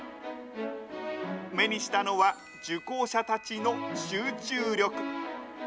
目にしたのは、受講者たちの集中力。